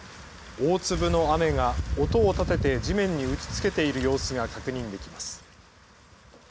大粒の雨が音を立てて地面に打ちつけている様子が確認できます。